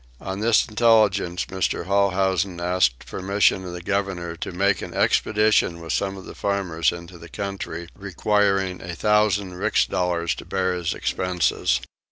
On this intelligence Mr. Holhousen asked permission of the governor to make an expedition with some of the farmers into the country, requiring a thousand rix dollars to bear his expenses.